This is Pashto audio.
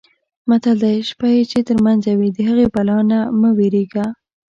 متل دی: شپه یې چې ترمنځه وي د هغې بلا نه مه وېرېږه.